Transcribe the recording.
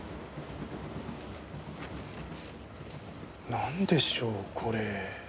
なんでしょうこれ？